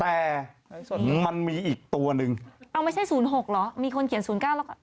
แต่มันมีอีกตัวหนึ่งเอาไม่ใช่ศูนย์หกเหรอมีคนเขียนศูนย์เก้าแล้วก็